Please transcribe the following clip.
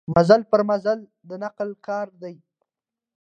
مزل پر مزل د نقل کار دی.